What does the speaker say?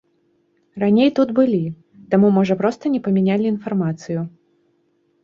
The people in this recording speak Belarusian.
Раней тут былі, таму можа проста не памянялі інфармацыю.